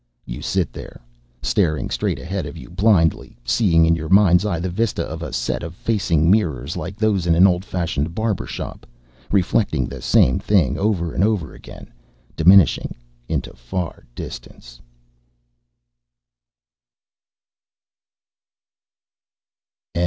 You sit there, staring straight ahead of you blindly, seeing in your mind's eye the vista of a set of facing mirrors, like those in an old fashioned barber shop, reflecting the same thing over and over again, diminishing into far distance.